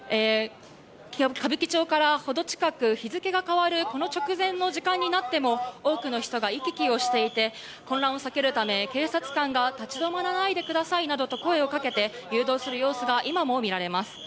歌舞伎町から程近く、日付が変わるこの直前の時間になっても、多くの人が行き来をしていて、混乱を避けるため、警察官が立ち止まらないでくださいなどと、声をかけて、誘導する様子が今も見られます。